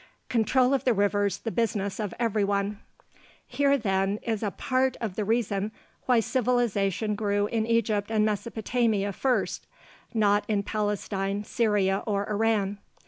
CONTROL OF THE RIVERS THE BUSINESS OF EVERYONE Here, then, is a part of the reason why civilization grew in Egypt and Mesopotamia first not in Palestine, Syria, or Iran.